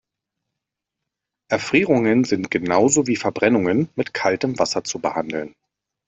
Erfrierungen sind genau so wie Verbrennungen mit kaltem Wasser zu behandeln.